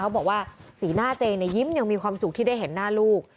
บอกว่าสีหน้าเจยิ้มยังมีความสุขที่ได้เห็นหน้าลูก